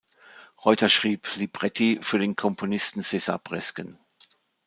Reuther schrieb Libretti für den Komponisten Cesar Bresgen.